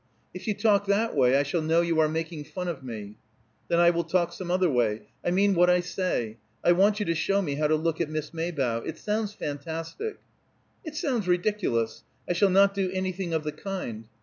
"If you talk that way I shall know you are making fun of me." "Then I will talk some other way. I mean what I say. I want you to show me how to look at Miss Maybough. It sounds fantastic " "It sounds ridiculous. I shall not do anything of the kind."